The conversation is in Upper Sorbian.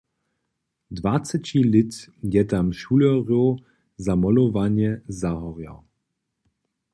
Dwaceći lět je tam šulerjow za molowanje zahorjał.